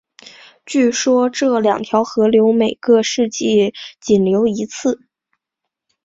据说这两条河流每个世纪仅流一次。